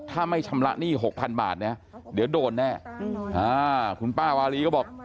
ถ้าไม่ชำระหนี้๖๐๐๐บาทเนี่ยเดี๋ยวโดนแน่คุณป้าวารีก็บอก